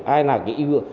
ai là cái id đấy sử dụng